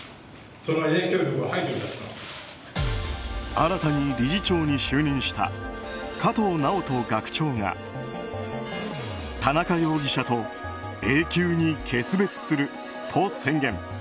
新たに理事長に就任した加藤直人学長が田中容疑者と永久に決別すると宣言。